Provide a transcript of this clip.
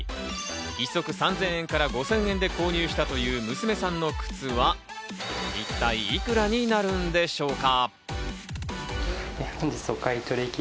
１足３０００円から５０００円で購入したという娘さんの靴は一体いくらになるんでしょうか？